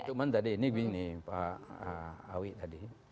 cuman tadi ini gini nih pak awi tadi